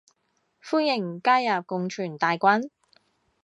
歡迎加入共存大軍